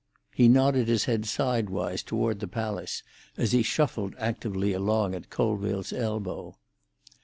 He nodded his head sidewise toward the palace as he shuffled actively along at Colville's elbow.